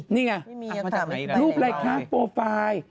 นี่ไงรูปแรกข้างโปรไฟล์